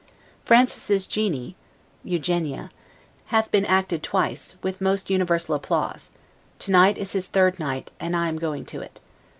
Francis's Genie [Francis's "Eugenia."] hath been acted twice, with most universal applause; to night is his third night, and I am going to it.